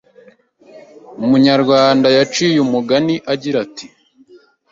Umunyarwanda yaciye umugani agira ati